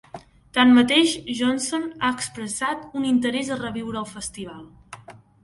Tanmateix, Johnson ha expressat un interès a reviure el festival.